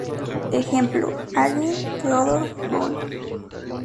Ejemplo: Hagen, Theodor von.